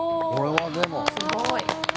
すごい。